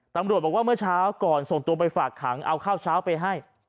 ตำรวจบอกว่าเมื่อเช้าก่อนส่งตัวไปฝากขังเอาข้าวเช้าไปให้